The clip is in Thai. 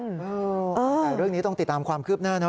แต่เรื่องนี้ต้องติดตามความคืบหน้านะ